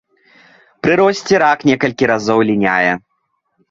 Пры росце рак некалькі разоў ліняе.